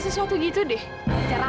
cepet banget sih ini lagi